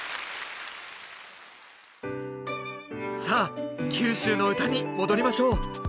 さあ九州の唄に戻りましょう。